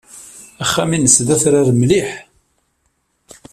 Axxam-nnes d atrar mliḥ.